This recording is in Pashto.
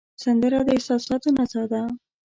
سندره د احساساتو نڅا ده